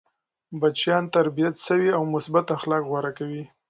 بچيان تربیت سوي او مثبت اخلاق غوره کوي.